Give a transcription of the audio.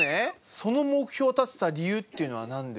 その目標を立てた理由っていうのはなんで？